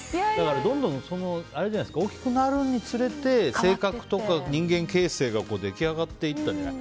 どんどん大きくなるにつれて性格とか人間形成が出来上がっていったんじゃない？